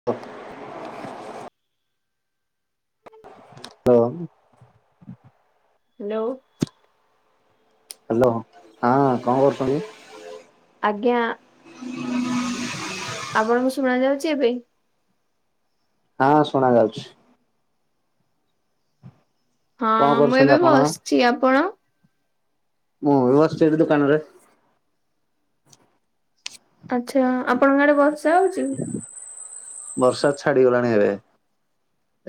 [unintelligible] ଲ hello. Hello ହଁ କଣ କରୁଛନ୍ତି? ଆଜ୍ଞା। [unintelligible] ଆପଣଙ୍କୁ ଶୁଣା ଯାଉଛି ଏବେ? ହଁ ଶୁଣା ଯାଉଛି। ହଁ କଣ ମୁଁ କରୁଛନ୍ତି ଏବେ ଆପଣ? ବସିଛି ଆପଣ? ମୁଁ ବି ବସିଛି ଏବେ ଦୋକାନରେ। ଆଚ୍ଛା ଆପଣଙ୍କ ଆଡେ ବର୍ଷା ହଉଛି? ବର୍ଷା ଛାଡିଗଲାଣି ଏବେ।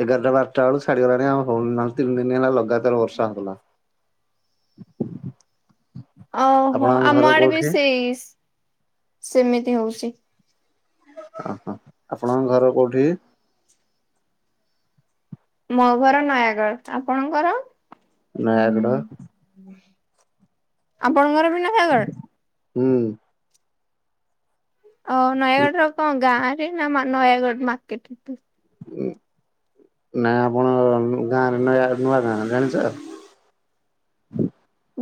ଏଗାରଟା ବାରଟା ବେଳୁ ଛାଡିଗଲାଣି ଆଉ ହଉନି ନ ହେଲେ ତିନି ଦିନ ହେଲା ଲଗାତାର ବର୍ଷା ହଉଥିଲା। [inaudible] ଓହୋ ଆପଣଙ୍କ ଘର ଆମ ଆଡେ ବି କୋଉଠି? ସେଇ ସେମିତି ହଉଛି। ଅ ହ ଆପଣଙ୍କ ଘର କୋଉଠି? ମୋ ଘର ନୟାଗଡ଼ ଆପଣଙ୍କର? ନୟାଗଡ଼। ଆପଣଙ୍କର ବି ନୟାଗଡ଼। ହୁଁ। ଓ ନୟାଗଡ଼ ର କଣ ଗାଁ ରେ ନା ନୟାଗଡ଼ ମାର୍କେଟ ଭିତରେ? ନା ଆପଣ ଗାଁରେ ନୟା ନୂଆ ଗାଁ ଜାଣିଛ?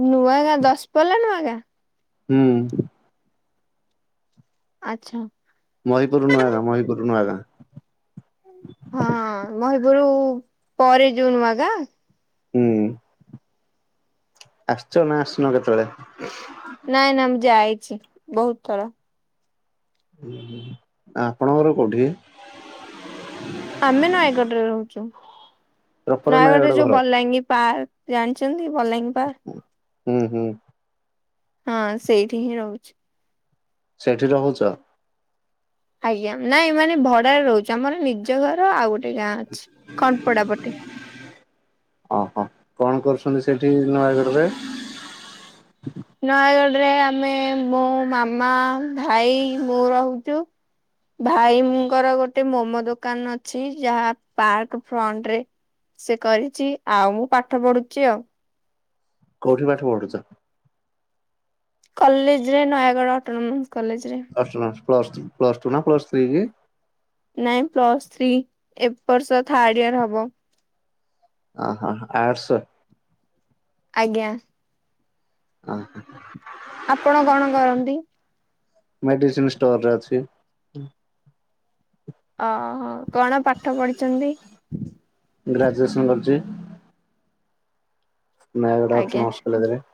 ନୂଆ ଗାଁ ଦଶ ପଲା ନୂଆ ଗାଁ। ହୁଁ। ଆଛା। ମହିପୁର ନୂଆ ଗାଁ, ମହିପୁରୁ ନୂଆ ଗାଁ। ହଁ ମହିପୁରୁ ପରେ ଯୋଉ ନୂଆ ଗାଁ। ହୁଁ। ଆସଚ ନା ଆସିନ କେତେବେଳେ? ନାଇଁ ନାଇ ମୁଁ ଯାଇଛି ବହୁତ ଥର। ଆ ଆପଣଙ୍କର କୋଉଠି? ଆମେ ନୟାଗଡ ରେ ରହୁଛୁ ପ୍ରପର ନୟାଗଡରେ ନୟାଗଡ ଯୋଉ ଘର ବଲାଙ୍ଗୀ ପାର୍କ। ଜାଣିଛନ୍ତି ବଲା ଙ୍ଗି ହୁଁ ହୁଁ। ହଁ ସେଇଠି ହିଁ ରହୁଛି। ସେଇଠି ରହୁଛ। ଆଜ୍ଞା ନାଇଁ ମାନେ ଭଡାରେ ରହୁଚୁ ଆମର ନିଜ ଘର ଆଉ ଗୋଟେ ଗାଁ ଅଛି ଖଟପଡା ପଟେ। ଅ ହ କଣ କରୁଛନ୍ତି ସେଇଠି ନୟାଗଡରେ? ନୟାଗଡରେ ଆମେ ମୋ ମାମା ଭାଇ ମୁଁ ରହୁଛୁ। ଭାଇଙ୍କର ଗୋଟେ ମୋମୋ ଦୋକାନ ଅଛି ଯାହା ପାର୍କ ଫ୍ରଣ୍ଟ ରେ। ସେ କରିଛି ଆଉ ମୁଁ ପାଠ ପଢୁଛି ଆଉ। କଉଠି ପାଠ ପଢୁଛ? କଲେଜ ରେ ନୟାଗଡ଼ ଅଟୋନୋମସ କଲେଜ ରେ। ଅଟୋନୋମସ ପ୍ଲସ ପ୍ଲସ ଟୁ ନା ପ୍ଲସ ଥ୍ରୀ କି? ନାଇଁ ପ୍ଲସ ଥ୍ରୀ ଏବ ବର୍ଷ ଥାର୍ଡ ଇୟର ହବ। ଓ ହ ଆଡସ? ଆଜ୍ଞା। ଅ ହ। ଆପଣ କଣ କରନ୍ତି? ମେଡିସିନ ଷ୍ଟୋର ରେ ଅଛି। ଅ ହୋ କଣ ପାଠ ପଢିଛନ୍ତି? ଗ୍ରାଜୁଏସନ୍ କରୁଛି। ନୟାଗଡ଼ ଆଜ୍ଞା ଅଟୋନମସ କଲେଜରେ।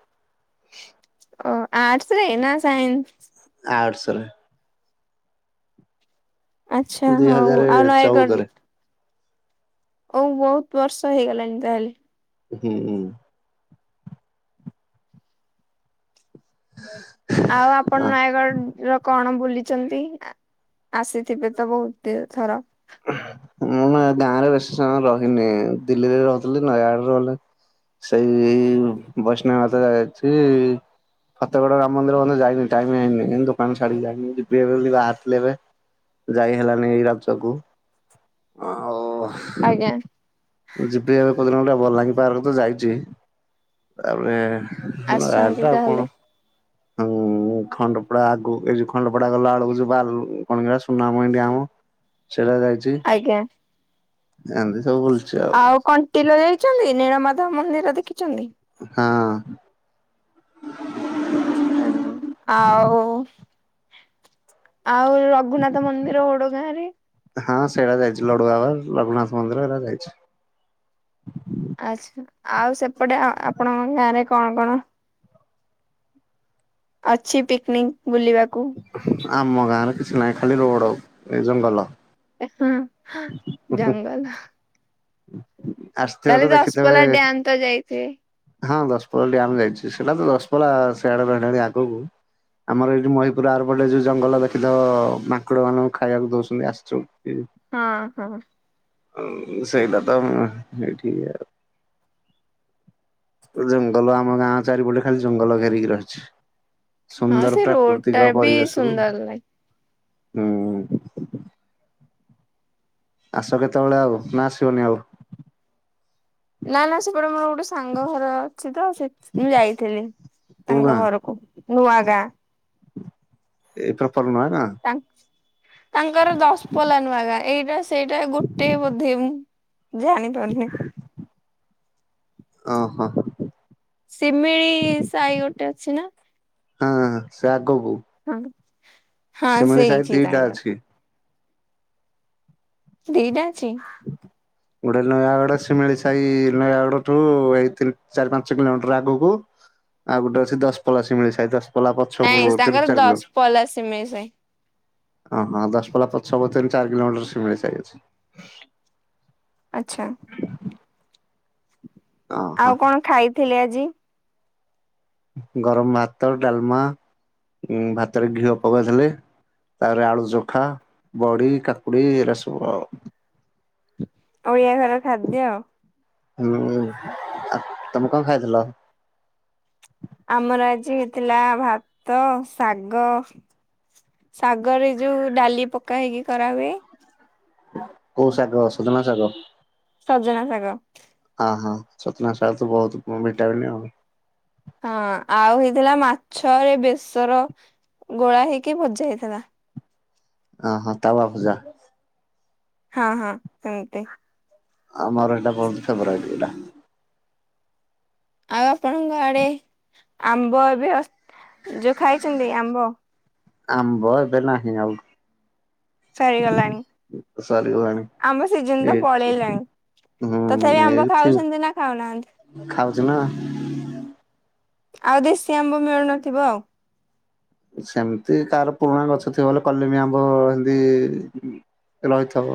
ଓ ଆର୍ଟସ ନା ସାଇନ୍ସ? ଆଡ୍ସ ରେ। ଆଚ୍ଛା ଦି ହଉ ହଜାର ଆଉ ନୟାଗଡ଼ ଚଉଦରେ ହଉ ବହୁତ ବର୍ଷ ହେଇଗଲାଣି ତାହେଲେ। ହୁଁ ହୁଁ। ଓ ହୋ ଆଉ ଆପଣ ନୟାଗଡନ୍ ର କଣ ବୁଲିଛନ୍ତି ଆ ଆସିଥିବେ ତ ବୋହୁତ୍ ତେ ଥର। ଉହୁଁ, ମୁଁ ମାଁ ଗାଁରେ ବେଶୀ ମୟ ରହିନି, ଦିଲ୍ଲୀରେ ରୋହୁଥିଲି ନୟାଗଡରେ ରହୁଥି ସେଇ ବୈଷ୍ଣବ ମାାତ ଜା ଯାଇଛି। ଖତେଗଡ଼ା ରାମନ୍ଦିର ମାନେ ଯାଇନିଇମ ହେଇନି ଦୋକାନ ଛାଡିକି ଯାଇନି ଯବେ ହାତେବେ। ଯାଇ ହେଲାନେଇଁ ଏଇ ଗାଧି ଛକକୁ ଆଉ- ଆଜ୍ଞା। ଯିପି ଏଫ ପୋଗ୍ରାମ୍ ଟା ଭଲ ଲାଗେ, ପାର୍କ ତ ଯାଇଛି ତାପରେ ନା ଆସିଛନ୍ତି ରାର୍ଡା ଆଉ ତାହେଲେ କଣ ହୁଁ? ଖଣ୍ଡପଡା ଆଗୁ ଏଇ ଯୋଉ ଖଣ୍ଡପଡା ଗଲା ବେଳୁକୁ ଯୋଉ ବାଲୁ କଣ କି ସେଟା ସୁନାମୁହିଁ ଡ୍ୟାମ ସେଟା ଯାଇଚି। ଆଜ୍ଞା। ଗାନ୍ଧୀ ସାବୁ ବୁଲ୍ ଆଉ କଣ୍ଟିଲୋ ଯାଇଚ଼ନ୍ତି? ନୀଳମାଧଵ ମନ୍ଦିର ଦେଖିଚ଼ନ୍ତି? ହଁ। ହୁଁ ଆଉ ଆଉ ରଘୁନାଥ ମନ୍ଦିର ଓୋଡ ଗାଁ ରେ? ହଁ ସେଇଗୁଡା ଯାଇଛି ଲଡୁଆବାର, ଲଘୁନାଥ ମନ୍ଦିର ଏଗୁରା ଯାଇଛି। ଆଚ୍ଛା ଆଉ ସେପଟେ ଆ ଆପଣଙ୍କ ଗାଁରେ କଣ କଣ ଅଛି ପିକନିଙ୍ଗ ବୁଲିବାକୁ ଆମ ଗାଁରେ କିଛି ନାହିଁ ଖାଲି ରୋଡ ଏ ଜଙ୍ଗଲ। ଏ ହୁଁ ଜଙ୍ଗଲ। ଉଁ ହୁଁ ଆସ୍ ନହେଲେ ଦଶପଲ୍ଲା ଡ଼୍ୟାମ୍ ତ ଯାଇଛେ। ହଁ ଦଶପଲ୍ଲା ଡ୍ୟାମ୍ ଯାଇଛି, ସେଇଟା ତ ଦଶପଲ୍ଲା ସେଆଡେ ରହିଲାଣି ଆଗକୁ। ଆମର ଏଇଠି ମହିପୁର ଆର ପଟେ ଯୋଉ ଜଙ୍ଗଲ ଦେଖିଥିବ ମାଙ୍କଡ ମାନଙ୍କୁ ଖାଇବାକୁ ଦଉଛନ୍ତି ଆସ୍ଛୁ ହଁ ହଁ ହଁ ଉଁ ସେଇଟା ତ ମୁଁ ଏଇଠି ଆଉ ତ ଜଙ୍ଗଲ ଆମ ଗାଁ ଚାରିପଟେ ଖାଲି ଜଙ୍ଗଲ ଘେରିକି ରହିଛି ହଁ ସେ ସୁନ୍ଦରତା ରୋଡ ଟା ପୃଥିବୀ ର ବି ପରିବେଶକୁ ସୁନ୍ଦର ଲାଗେ। ହୁଁ ଆସ କେତେବେଳେ ଆଉ ନା ଆସିବନି ଆଉ? ନା ନା ସେପଟେ ମୋର ଗୋଟେ ସାଙ୍ଗ ଘର ଅଛି ତ, ସେ ସେଠି କି ମୁଁ ଯାଇଥିଲି କୋଉ ତାଙ୍କ ଗାଁ ଘରକୁ ନୂଆ ଗାଁ। ଏଇ ପ୍ରପର ମହାରା? ତାଙ୍କ୍ ତାଙ୍କର ଦଶପଲ୍ଲା ନୁଆଁ ଗାଁ, ଏଇଟା ସେଇଟା ଗୋଟେ ବୋଧେ ମୁଁ ଜାଣିପାରୁନେଇଁ। ଅଁ ହୋ। ଶି ମି ଳି ସାହି ଗୋଟେ ଅଛି ନା? ହଁ ହଁ ସେ ଆଗକୁ ହଁ, ହଁ ଶିମିଳି ସାହି ସେଇଠି ଦିଟା ତାଙ୍କର। ଅଛି। ଦିଟା ଅଛି? [unintelligible] ଗୋଟେ ନୟାଗଡ ଶିମିଳି ସାଇ ନୟାଗଡ ଠୁ ଏଇ ତିନ୍, ଚାରି, ପାଞ୍ଚ କିଲୋମିଟର ଆଗକୁ ଆଉ ଗୋଟେ ଅଛି ଦଶପଲ୍ଲା ଶିମିଳି ସାଇ ଦଶ୍ ନାଇଁ ତାଙ୍କର ଦଶ ପଲା ଶିମିଳି ସାଇ ଓ ହଁ ଦଶ ପଲା ପଛ ପରେ ଚାରି କିଲୋମିଟର ସିମିଳି ସାଇ ଅଚ୍ଛି ଆଚ୍ଛା। ଅହଁ ଆଉ କଣ ଖାଇଥିଲେ ଆଜି ଗରମ ଭାତ ଡାଲମା ଉଁ ଭାତରେ ଘିଅ ପକେଇଥିଲି। ତାପରେ ଆଳୁ ଚୋଖା ବଡି କାକୁଡି ଏରା ସବୁ ଆଉ ଓଡ଼ିଆ ଘରର ଖାଦ୍ୟ। ଉଁ ଉଁ ଆ ତମେ କଣଖାଇଥିଲ ଆମର ଆଜି ହେଇଥିଲା ଭାତ ଶାଗ ଶାଗରେ ଯୋଉ ଡାଲି ପକା ହେଇକି କରାହୁଏ। କେଉ ଶାଗ ସୁଜନା ଶାଗ ସଜନା ଶାଗ। ଆ ହାଁ ସଜନା ଶାଗ ତ ବହୁତୁ ଭିଟାମିନି। ହଁ ଆଉ ହେଇଥିଲା ମାଛରେ ବେସର ଗୋଳା ହେଇକି ଭଜା ହେଇଥିଲା। ଆ ହାଁ ତାୱା ଭଜା। ହଁ ହଁ ସେମିତି। ଆମର ଏଇଟା ବହୁତ ଫେବରାଇଟ୍ ଏଇଟା। ଆଉ ଆପଣଙ୍କ ଆଡେ ଆମ୍ବ ଏବେ ଅ ଯୋଉ ଖାଇଛନ୍ତି ଆମ୍ବ। ଆମ୍ବ ଏବେ ନାହିଁ ଆଉ। ସରିଗଲାଣି ସରିଗଲାଣି ଆମ୍ବ ସିଜିନ ଏ ତ ପଳେଇଲାଣି। ହୁଁ ତଥାପି ଆମ୍ବ ଏଇଥି ଖାଉଛନ୍ତି ନା ଖାଉନାହାନ୍ତି। ଖାଉଚୁ ନା। ଆଉ ଦେଶୀ ଆମ୍ବ ମିଳୁନଥିବ ଆଉ। ସେମିତି ତାରପୁରୁଣା ଗଛ ଥିବ ବୋଲିକଲିମ୍ବଆମ୍ବ ହେନ୍ତି ରହିଥିବ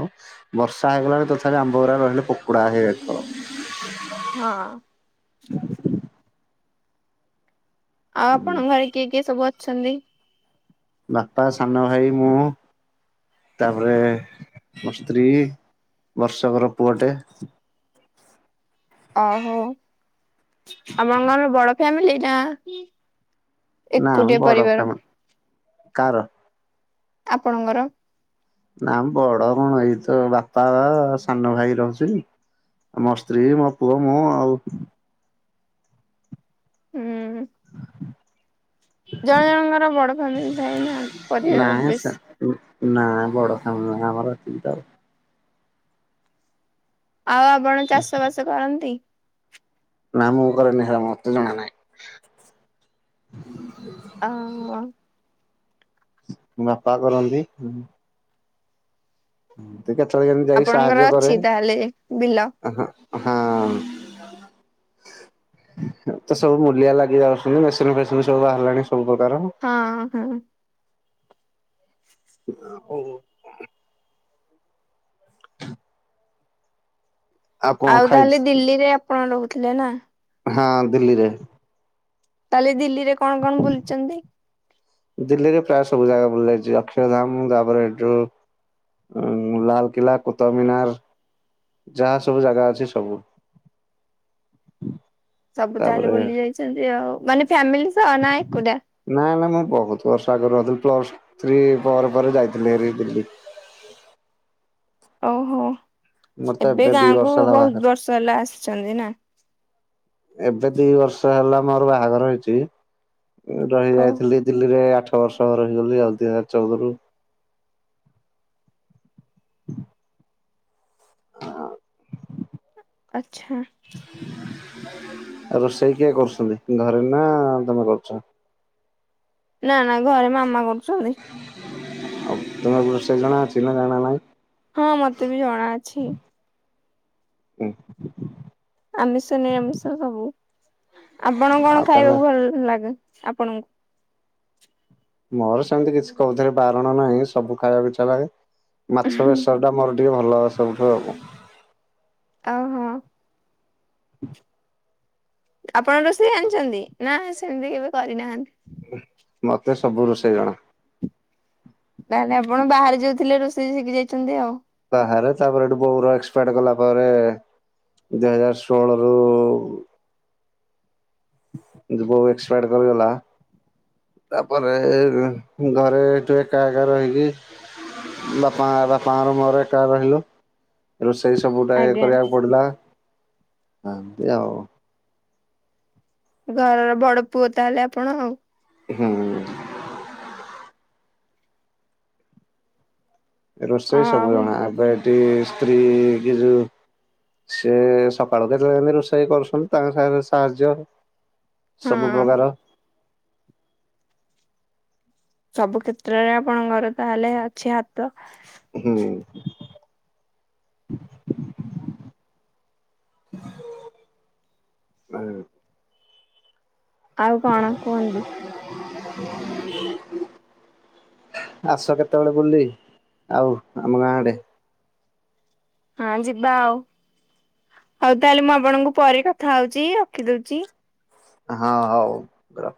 ବର୍ଷା ହେଇଗଲାଣି ତଥାପି ଆମ୍ବ ଗୁରା ରହିଲେ ପୋକୋଡ଼ା ହେଇଯାଇଥିବ। ହଁ। ଆଉ ଆପଣଙ୍କ ଘରେ କିଏ କିଏ ସବୁ ଅଛନ୍ତି? ବାପା ସାନ ଭାଇ ମୁଁ ତାପରେ ମୋ ସ୍ତ୍ରୀ ବର୍ଷକର ପୁଅଟେ। ଅ ହୋ ଆପଣଙ୍କର ବଡ଼ ଫାମିଲି ନା ନା ମ ଏକୁଟିଆ ବଡ ପରିବାର ଫ୍ୟାମିଲି କାର ଆପଣଙ୍କର। ନା ବଡ କଣ ଏଇ ତ ବାପା ସାନ ଭାଇ ରହୁଛି। ମୋ ସ୍ତ୍ରୀ ମୋ ପୁଅ ମୁଁ ଆଉ। ହୁଁ। ଜଣେ ଜଣଙ୍କର ବଡ ଫ୍ୟାମିଲି ଥାଏନା ପରିବାର ବେସି। ଉ ନା ବଡ ଫାଂମିଲ ନୁହଁ ଆମର ଏତିକି ତ। ଆଉ ଆପଣ ଚାଷ ବାସ କରନ୍ତି। ନା ମୁଁ କରେନି ହେରା ମତେ ଜଣା ନାଇଁ। ଆଁ ଓ। ମୋ ବାପା କରନ୍ତି। ମୁଁ କେତେବେଳେ କେମତି ଯାଇକି ଆପଣଙ୍କର ସାହାଯ୍ୟ କରେ। ଅଛି ତାହେଲେ ବିଲ? ଆ ହାଁ ହଁ। ଏ ତ ସବୁ ମୂଲିଆ ଲାଗି ଯାଉଛନ୍ତି ମେସିନ ଫେସିନ ସବୁ ବାହାରିଲାଣି ସବୁ ପ୍ରକାର। ହଁ ହଁ। ଓ ହଉ। [unintelligible] କଣ ଆଉ ଖାଇ ତାହେଲେ ଦିଲ୍ଲୀରେ ଆପଣ ରହୁଥିଲେ ନା। ହଁ ଦିଲ୍ଲୀରେ। ତାହେଲେ ଦିଲ୍ଲୀରେ କଣ କଣ ବୁଲିଚନ୍ତି? ଦିଲ୍ଲୀରେ ପ୍ରାୟ ସବୁ ଜାଗା ବୁଲି ଯାଇଛି ଅକ୍ଷୟଧାମ ତାପରେ ଏଠୁ ଉଁ ଲାଲକିଲ୍ଲା, କୁତୁବ ମିନାର। ଯାହା ସବୁ ଜାଗା ଅଛି ସବୁ। ସବୁ ତାହେଲେ ତାପରେ ବୁଲି ଯାଇଚନ୍ତି ଆଉ ମାନେ ଫ୍ୟାମିଲି ସହ ନା ଏକୁଟା? ନାଇ ନା ମୁଁ ବହୁତ ବର୍ଷ ଆଗରୁ ରହୁଥିଲି ପ୍ଲସ ଥ୍ରୀ ପରେ ପରେ ଯାଇଥିଲି ହେରି ଦିଲ୍ଲୀ। ଓହୋ ମୋର ତ ଏବେ ଦି ଗାଁ କୁ ବର୍ଷ ହେଲା ବହୁତ ବାହାଘର ବର୍ଷ ହେଲା ଆସିଛନ୍ତି ନା। ଏବେ ଦି ବର୍ଷ ହେଲା ମୋର ବାହାଘର ହେଇଚି ଓ ରହିଯାଇଥିଲି ଦିଲ୍ଲୀରେ ଆଠ ବର୍ଷ ରହିଗଲି ଆଉ ଦୁଇ ହଜାର ଚଉଦରୁ [unintelligible] ଆଚ୍ଛା। ରୋଷେଇ କିଏ କରୁଛନ୍ତି ଘରେ ନା ତମେ କରୁଚ? ନା ନା ଘରେ ମାମା କରୁଛନ୍ତି। ଆଉ ତୁମକୁ ରୋଷେଇ ଜଣା ଅଛି ନା ଜଣା ନାହିଁ? ହଁ ମତେ ବି ଜଣା ଅଛି। ହୁଁ। ଆମିଷ ନିରାମିଷ ସବୁ ଆପଣ କଣ ଆଉ ତାହେଲେ ଖାଇବାକୁ ଭଲ ଲାଗେ ଆପଣଙ୍କୁ? ମୋର ସେମିତି କିଛି କୋଉଥିରେ ବାରଣ ନାହିଁ ସବୁ ଖାଇବାକୁ ଇଚ୍ଛା ଲାଗେ ମାଛ ବେସର ଟା ମୋର ଟିକେ ଭଲ ସବୁଠୁ ଆଉ। ଓହୋ [unintelligible] ଆପଣ ରୋଷେଇ ଆଣିଛନ୍ତି ନା ସେମିତି କେବେ କରିନାହାନ୍ତି? ମତେ ସବୁ ରୋଷେଇ ଜଣା। ତାହେଲେ ଆପଣ ବାହାରେ ଯୋଉ ଥିଲେ ରୋଷେଇ ଶିଖି ଯାଇଛନ୍ତି ଆଉ। ବାହାରେ ତାପରେ ଏଠୂ ବୋଉର ଏକ୍ସପାର୍ଟ ଗଲା ପରେ। ଦୁଇ ହଜାର ଷୋହଳରୁ ଯୋ ବୋଉ ଏକ୍ସପାୟର କରିଗଲା। ତାପରେ ଘରେ ଏଠୂ ଏକା ଏକା ରହିଲି ବାପା ବାପାଙ୍କର ମୋର ଏକା ରହିଲୁ। ରୋଷେଇ ସବୁ ଟା ଇଏ ଆଜ୍ଞା କରିବାକୁ ପଡିଲା ଏମତି ଆଉ। ଘରର ବଡ ପୁଅ ତାହେଲେ ଆପଣ ଆଉ। ହୁଁ ରୋଷେଇ ସବୁ ଆଉ ଜଣା ଏବେ ଏଠି ସ୍ତ୍ରୀ କି ଯୋଉ ସେି ସକାଳୁ କେତେବେଳେ ଏମିତି ରୋଷେଇ କରୁଛନ୍ତି ତାଙ୍କ ସାରେ ସାହାଯ୍ୟ ହଁ ସବୁ ପ୍ରକାର ସବୁ କ୍ଷେତ୍ରରେ ଆପଣଙ୍କର ତାହେଲେ ଅଛି ହାତ ହୁଁ ଆଉ କଣ କୁହନ୍ତୁ? [unintelligible] ଆସ କେତେବେଳେ ବୁଲି ଆଉ ଆମ ଗାଁ ଆଡେ। ହଁ ଯିବା ଆଉ ଆଉ ତାହେଲେ ମୁଁ ଆପଣଙ୍କୁ ପରେ କଥା ହଉଛି ରଖିଦଉଛି। ହଁ ହଉ ରଖ।